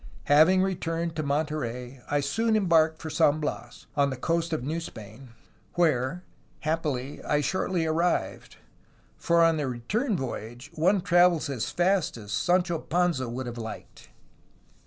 Having returned to Mon terey, I soon embarked for San Bias, on the coast of New Spain, where, happily, I shortly arrived, for on the return voyage one travels as fast as Sancho Panza would have liked.